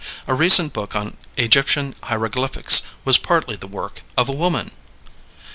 A recent book on Egyptian hieroglyphics was partly the work of a woman.